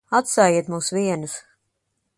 Atstājiet mūs vienus.